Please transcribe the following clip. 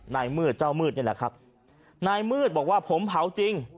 ในมืดเจ้ามืดนี่แหละครับนายมืดบอกว่าผมเผาจริง